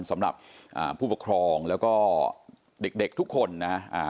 สำหรับผู้ปกครองแล้วก็เด็กทุกคนนะฮะ